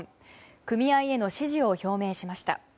組合への支持を表明しました。